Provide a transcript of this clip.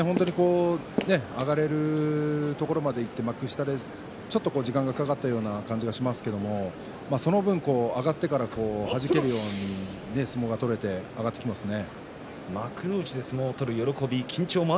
上がれるところまでいって幕下でちょっと時間がかかったところがありますけどその分上がってからははじけるように相撲が取れて上がってきますね。